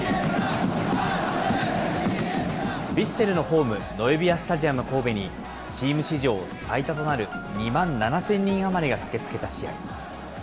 ヴィッセルのホーム、ノエビアスタジアム神戸に、チーム史上最多となる２万７０００人余りが駆けつけた試合。